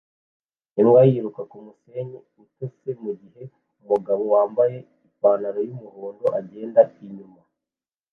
Imbwa yiruka kumusenyi utose mugihe umugabo wambaye ipantaro yumuhondo agenda inyuma